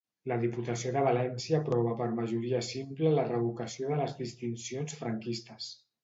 La Diputació de València aprova per majoria simple la revocació de les distincions franquistes.